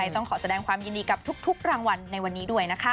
ต้องขอแสดงความยินดีกับทุกรางวัลในวันนี้ด้วยนะคะ